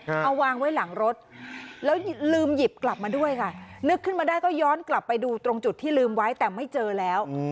เอาวางไว้หลังรถแล้วลืมหยิบกลับมาด้วยค่ะนึกขึ้นมาได้ก็ย้อนกลับไปดูตรงจุดที่ลืมไว้แต่ไม่เจอแล้ว